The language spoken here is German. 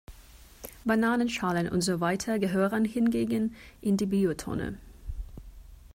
Bananenschalen und so weiter gehören hingegen in die Biotonne.